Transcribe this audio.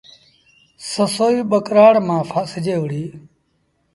سسئيٚ ٻڪرآڙ مآݩ ڦآسجي وُهڙي۔